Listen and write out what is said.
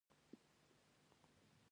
احمد په ژوند کې ډېر عذابونه تېر کړي دي.